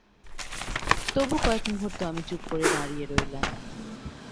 তবু কয়েক মুহুর্ত আমি চুপ করে দাঁড়িয়ে রইলাম।